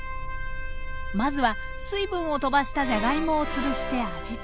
まずは水分をとばしたじゃがいもをつぶして味付け。